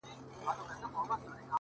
راسه چي زړه مي په لاسو کي درکړم؛